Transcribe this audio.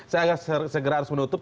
saya segera harus menutup